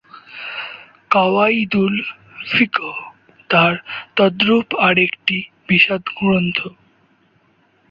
কাওয়াইদুল্ ফিক্হ তাঁর তদ্রূপ আর একটি বিশদ গ্রন্থ।